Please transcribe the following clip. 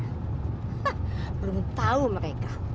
hah belum tahu mereka